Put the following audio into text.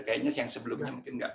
kayaknya yang sebelumnya mungkin nggak